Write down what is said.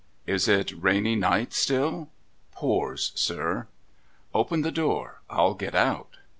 ' Is it a rainy night still ?'' Pours, sir.' ' Open the door. PU get out.'